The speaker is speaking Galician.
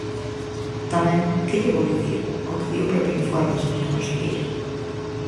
Tamén ¡que lle vou dicir!, o que di o propio informe, señora conselleira.